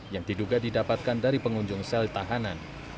yang diduga didapatkan dari pengunjung sel tahanan